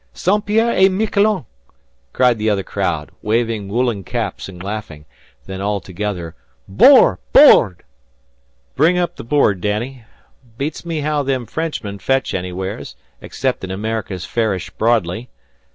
St. Pierre et Miquelon," cried the other crowd, waving woollen caps and laughing. Then all together, "Bord! Bord!" "Bring up the board, Danny. Beats me how them Frenchmen fetch anywheres, exceptin' America's fairish broadly.